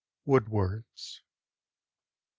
WOOD WORDS I.